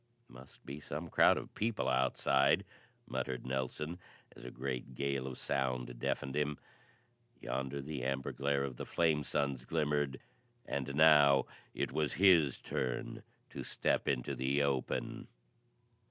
"Must be some crowd of people outside," muttered Nelson as a great gale of sound deafened him. Yonder the amber glare of the flame suns glimmered, and now it was his turn to step into the open!